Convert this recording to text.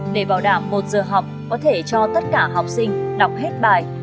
để bảo đảm một giờ học có thể cho tất cả học sinh đọc hết bài